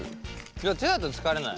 いや手だと疲れない。